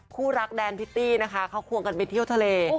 คู่รักแดนพิตตี้นะคะเขาควงกันไปเที่ยวทะเล